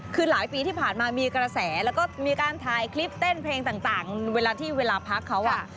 คือหลายปีที่ผ่านมามีกระแสแล้วก็มีการถ่ายคลิปเต้นเพลงต่างเวลาที่เวลาพักเขาอ่ะ